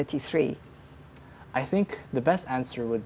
di mana saya bisa membuat